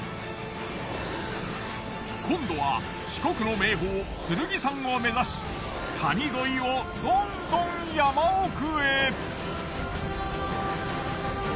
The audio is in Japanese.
今度は四国の名峰剣山を目指し谷沿いをどんどん山奥へ。